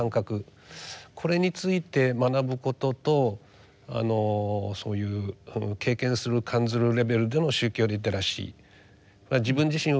これについて学ぶこととそういう経験する感ずるレベルでの宗教リテラシーは自分自身を振り返り